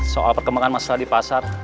soal perkembangan masalah di pasar